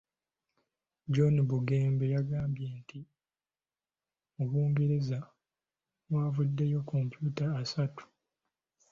John Bugembe, yagambye nti mu Bungereza, waavuddeyo computer asatu.